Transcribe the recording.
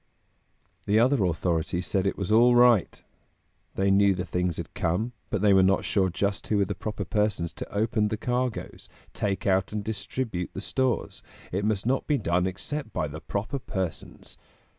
The other authorities said it was "all right!" They knew the things had come, but they were not sure just who were the proper persons to open the cargoes, take out and distribute the stores; it must not be done except by the proper persons.